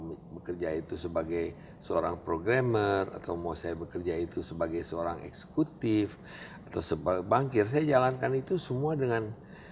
saya bekerja itu sebagai seorang programmer atau mau saya bekerja itu sebagai seorang eksekutif atau sebagai bankir saya jalankan itu semua dengan